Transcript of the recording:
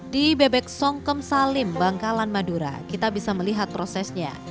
di bebek songkem salim bangkalan madura kita bisa melihat prosesnya